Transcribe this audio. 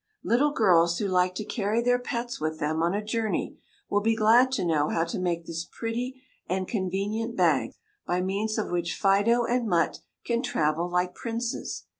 ] Little girls who like to carry their pets with them on a journey will be glad to know how to make this pretty and convenient bag, by means of which Fido and Mutt can travel like princes.